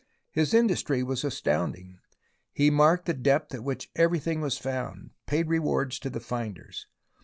His industry was astounding. He marked the depth at which everything was found, paid rewards to the finders.